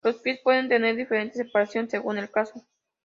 Los pies pueden tener diferente separación, según el caso.